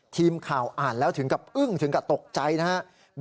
ทีมข่าวอ่านแล้วถึงกับอึ้งถึงกับตกใจนะครับ